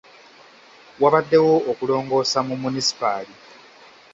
Wabaddewo okulongoosa mu munisipaali.